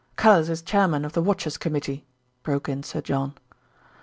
"Callice is Chairman of the Watchers' Committee," broke in Sir John.